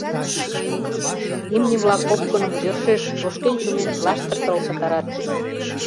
Имне-влак опкыным йӧршеш, тошкен-чумен, лаштыртыл пытарат...